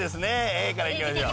Ａからいきましょう。